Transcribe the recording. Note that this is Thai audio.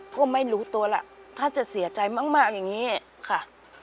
ก็ไม่รู้ตัวล่ะถ้าจะเสียใจมากอย่างนี้ค่ะ